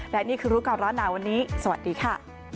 และนี่คือรู้กับเราในวันนี้สวัสดีค่ะ